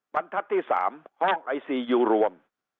บรรทัศน์ที่๓ห้องไอซียูรวม